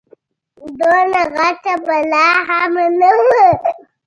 دومره غټه بلا هم نه وه.